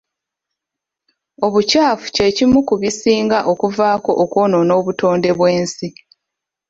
Obukyafu kye kimu ku bisinga okuvaako okwonoona obutonde bw'ensi.